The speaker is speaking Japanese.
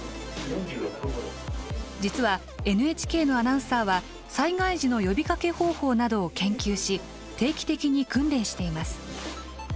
実はＮＨＫのアナウンサーは災害時の呼びかけ方法などを研究し定期的に訓練しています。